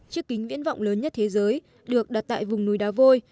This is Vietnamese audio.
chiếc kính viễn vọng lớn nhất thế giới được đặt tại vùng núi đá vôi